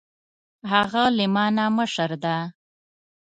هغه له ما نه مشر ده